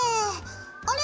あれ？